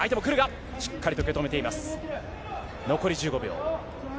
残り１５秒。